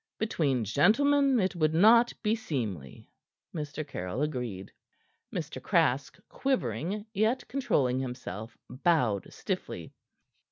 "Between gentlemen it would not be seemly," Mr. Caryll agreed. Mr. Craske, quivering, yet controlling himself, bowed stiffly.